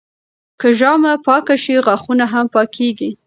که ژامه پاکه شي، غاښونه هم پاکېږي.